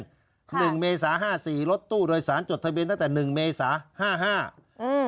หนึ่งเมษาห้าสี่รถตู้โดยสารจดทะเบียนตั้งแต่หนึ่งเมษาห้าห้าอืม